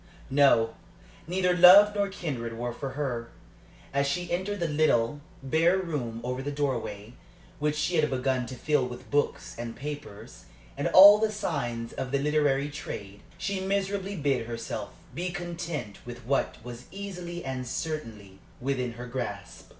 No; neither love nor kindred were for her. As she entered the little, bare room over the doorway, which she had begun to fill with books and papers, and all the signs of the literary trade, she miserably bid herself be content with what was easily and certainly within her grasp.